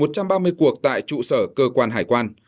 một trăm ba mươi cuộc tại trụ sở cơ quan hải quan